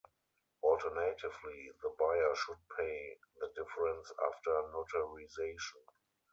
Alternatively, the buyer should pay the difference after notarization.